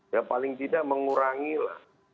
ya paling tidak mengurangi lah